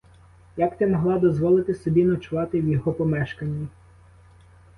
Як ти могла дозволити собі ночувати в його помешканні?